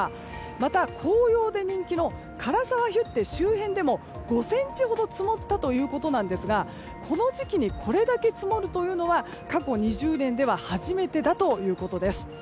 また、紅葉で人気の涸沢ヒュッテ周辺でも５ｃｍほど積もったということですがこの時期にこれだけ積もるのは過去２０年では初めてだということです。